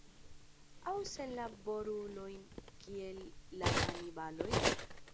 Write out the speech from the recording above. Aŭ senlaborulojn, kiel la kanibaloj?